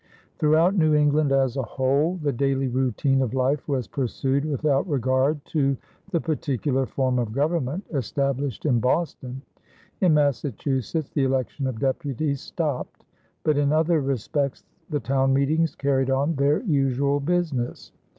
Throughout New England as a whole, the daily routine of life was pursued without regard to the particular form of government established in Boston. In Massachusetts the election of deputies stopped, but in other respects the town meetings carried on their usual business.